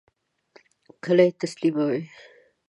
کله یی تسلیموئ؟